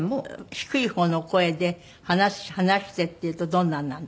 低い方の声で話してっていうとどんなになるの？